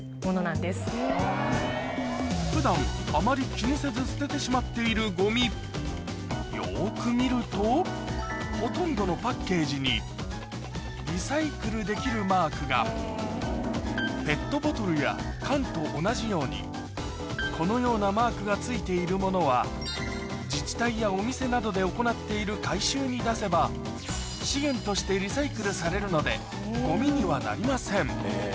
普段あまり気にせず捨ててしまっているゴミよく見るとほとんどのパッケージにリサイクルできるマークがペットボトルや缶と同じようにこのようなマークが付いているものは自治体やお店などで行っている回収に出せば資源としてリサイクルされるのでゴミにはなりません